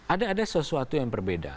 ada sesuatu yang berbeda